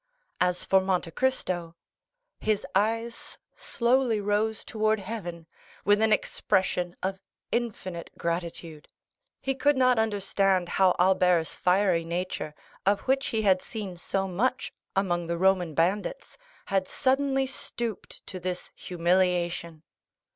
As for Monte Cristo, his eyes slowly rose towards heaven with an expression of infinite gratitude. He could not understand how Albert's fiery nature, of which he had seen so much among the Roman bandits, had suddenly stooped to this humiliation.